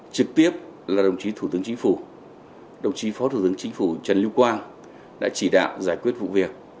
trực tiếp là đồng chí thủ tướng chính phủ đồng chí phó thủ tướng chính phủ trần lưu quang đã chỉ đạo giải quyết vụ việc